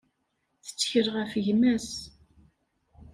Tettkel ɣef gma-s.